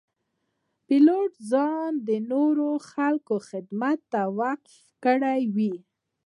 پیلوټ ځان د نورو خدمت ته وقف کړی وي.